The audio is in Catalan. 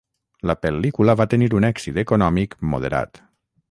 La pel·lícula va tenir un èxit econòmic moderat.